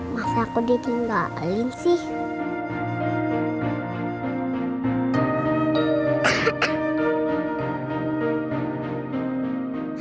masa aku ditinggalin sih